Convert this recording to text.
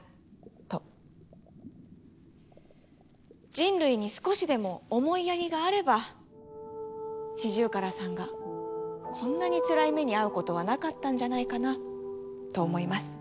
人類に少しでも思いやりがあればシジュウカラさんがこんなにつらい目に遭うことはなかったんじゃないかなと思います。